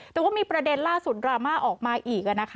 แต่ว่ามีประเด็นล่าสุดดราม่าออกมาอีก